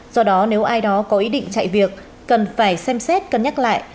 do đó nếu ai đó có ý định chạy việc cần phải xem xét cân nhắc lại